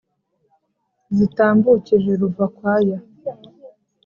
zitambukije ruvakwaya